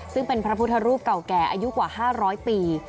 ซึ่งเป็นพระพุทธรูปเก่าแก่อายุกว่า๕๐๐ปี